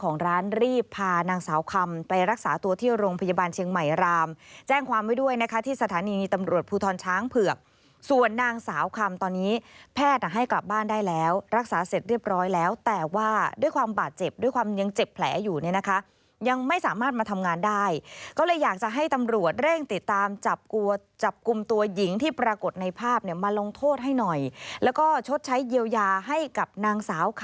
นางสาวคำไปรักษาตัวที่โรงพยาบาลเชียงใหม่รามแจ้งความไว้ด้วยนะคะที่สถานีตำรวจภูทรช้างเผือกส่วนนางสาวคำตอนนี้แพทย์อ่ะให้กลับบ้านได้แล้วรักษาเสร็จเรียบร้อยแล้วแต่ว่าด้วยความบาดเจ็บด้วยความยังเจ็บแผลอยู่เนี่ยนะคะยังไม่สามารถมาทำงานได้ก็เลยอยากจะให้ตำรวจเร่งติดตามจับก